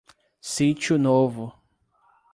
Sítio Novo